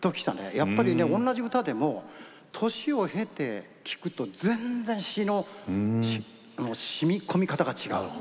やっぱり、同じ歌でも年を経て、聴くと全然詞のしみこみ方が違う。